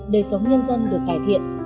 đời sống nhân dân được cải thiện